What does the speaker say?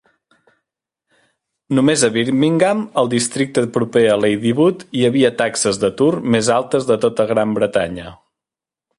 Només a Birmingham, al districte proper de Ladywood hi havia taxes d"atur més altes de tota Gran Bretanya.